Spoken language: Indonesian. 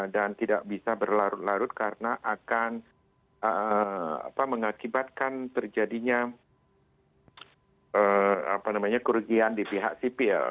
tidak bisa berlarut larut karena akan mengakibatkan terjadinya kerugian di pihak sipil